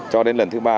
cho đến lần thứ ba